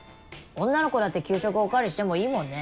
女の子だって給食お代わりしてもいいもんね。